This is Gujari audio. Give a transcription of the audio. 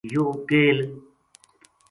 یوہ کیل